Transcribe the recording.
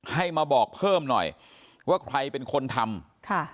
ให้มาบอกเพิ่มหน่อยว่าใครเป็นคนทำค่ะ